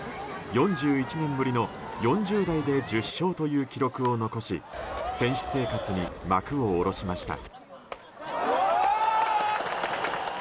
４１年ぶりの４０代で１０勝という記録を残し選手生活に幕を下ろしました。